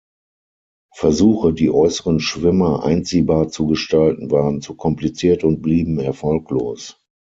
Versuche, die äußeren Schwimmer einziehbar zu gestalten, waren zu kompliziert und blieben erfolglos.